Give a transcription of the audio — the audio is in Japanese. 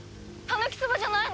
たぬきそばじゃないの！？